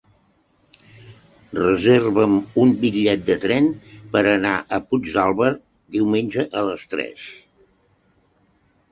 Reserva'm un bitllet de tren per anar a Puigdàlber diumenge a les tres.